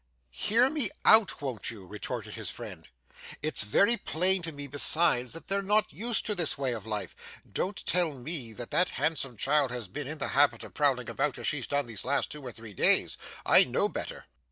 'Hear me out, won't you?' retorted his friend. 'It's very plain to me, besides, that they're not used to this way of life. Don't tell me that that handsome child has been in the habit of prowling about as she's done these last two or three days. I know better.